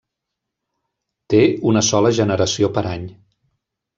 Té una sola generació per any.